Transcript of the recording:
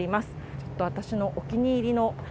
ちょっと私のお気に入りの。